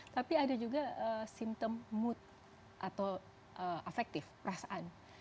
tapi ada juga simptom mood atau affective perasaan